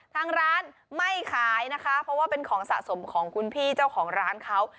ทางร้านไม่ขายนะคะเพราะว่าเป็นของสะสมของคุณพี่เจ้าของร้านเขา